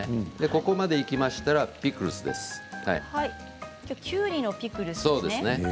ここまでいきましたらきゅうりのピクルスですね。